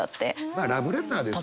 まあラブレターですよね。